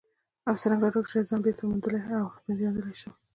او څرنګه ورک شوی ځان بېرته موندلی او پېژندلی شو.